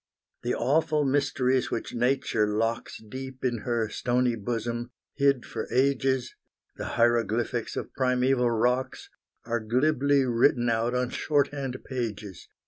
The awful mysteries which Nature locks Deep in her stony bosom, hid for ages, The hieroglyphics of primeval rocks, Are glibly written out on short hand pages.